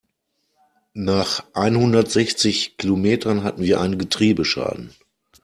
Nach einhundertsechzig Kilometern hatten wir einen Getriebeschaden.